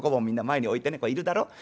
みんな前に置いてねいるだろ？